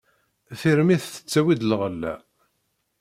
Tirmit tettawi-d lɣella.